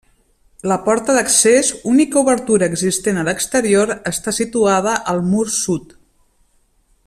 La porta d'accés, única obertura existent a l'exterior, està situada al mur sud.